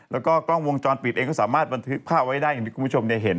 แล้วก็กล้องวงจรปิดเองก็สามารถบันทึกภาพไว้ได้อย่างที่คุณผู้ชมเห็น